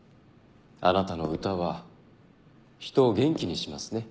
あなたの歌は人を元気にしますね。